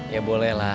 ya boleh lah